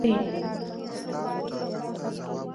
افغانستان د ځمکني شکل له پلوه یو خورا متنوع هېواد دی.